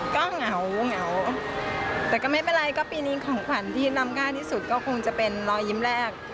ก็เหงาเหงาแต่ก็ไม่เป็นไรก็ปีนี้ของขวัญที่นำง่ายที่สุดก็คงจะเป็นรอยยิ้มแรก